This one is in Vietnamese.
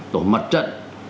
tổ mặt trận